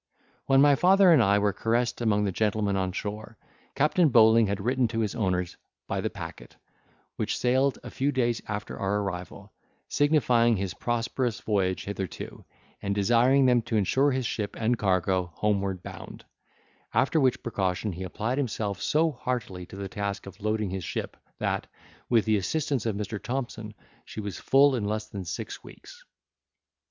While my father and I were caressed among the gentlemen on shore, Captain Bowling had written to his owners, by the packet, which sailed a few days after our arrival, signifying his prosperous voyage hitherto, and desiring them to insure his ship and cargo homeward bound: after which precaution he applied himself so heartily to the task of loading his ship that, with the assistance of Mr. Thompson, she was full in less than six weeks.